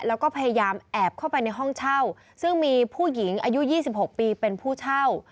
แล้วก็พยายามแอบเข้าไปในห้องเช่าซึ่งมีผู้หญิงอายุ๒๖ปีเป็นผู้เช่า